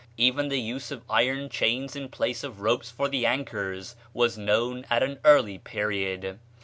Even the use of iron chains in place of ropes for the anchors was known at an early period.